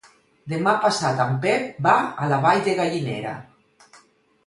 Demà passat en Pep va a la Vall de Gallinera.